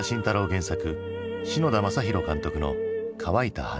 原作篠田正浩監督の「乾いた花」。